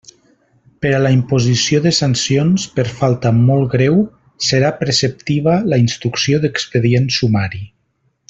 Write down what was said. Per a la imposició de sancions per falta molt greu serà preceptiva la instrucció d'expedient sumari.